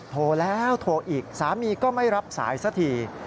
โทรแล้วโทรอีกสามีก็ไม่รับสายสักที